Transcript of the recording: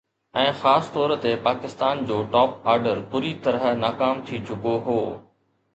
۽ خاص طور تي پاڪستان جو ٽاپ آرڊر بُري طرح ناڪام ٿي چڪو هو